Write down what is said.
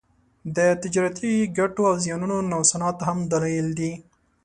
د تجارتي ګټو او زیانونو نوسانات هم دلایل دي